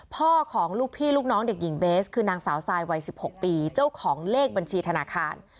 พ่อของลูกพี่ลูกน้องเด็กหญิงเบสคือนางสาวทรายวัย๑๖ปีเจ้าของเลขบัญชีธนาคาร